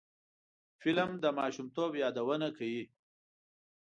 فلم د ماشومتوب یادونه کوي